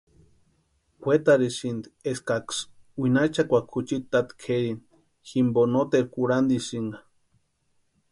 Wetarhisïnti eskaksï winhachakwaaka juchiti tati kʼerini jimpo noteru kurhantisïnka.